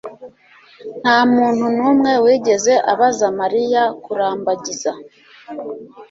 Ntamuntu numwe wigeze abaza Mariya kurambagiza.